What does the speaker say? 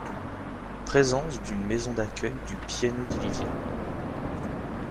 Présence d'une maison d'accueil du Pianu di Livia.